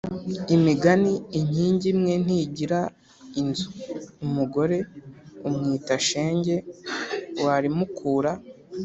imigani: inkingi imwe ntigira inzu umugore umwita shenge, warimukura